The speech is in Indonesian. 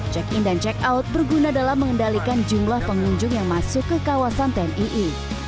check in dan check out berguna dalam mengendalikan jumlah pengunjung yang masuk ke kawasan tmii